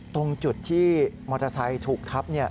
ตรงจุดที่มอเตอร์ไซค์ถูกทับ